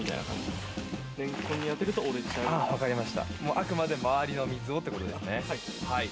あくまで周りの水をということですね。